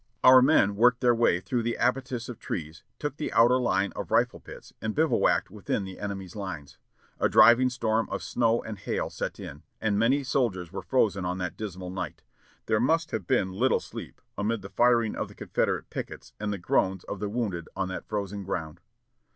Our men worked their way through the abatis of trees, took the outer line of rifle pits, and bivouacked within the enemy's lines. A driving storm of snow and hail set in, and many soldiers were frozen on that dismal night. There must have been little sleep amid the firing of the Confederate pickets and the groans of the wounded on that frozen ground.